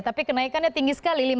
tapi kenaikannya tinggi sekali